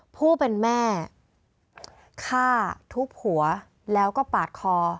ผู้เป็นแม่ฆ่าทุบหัวแล้วก็ปาดคอ